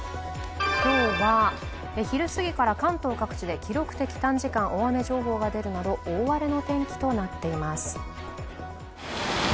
今日は昼過ぎから関東各地で記録的短時間大雨情報が出るなど大荒れの天気となっています。